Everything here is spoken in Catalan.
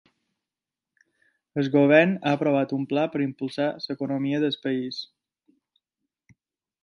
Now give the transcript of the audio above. El govern ha aprovat un pla per impulsar l'economia del país.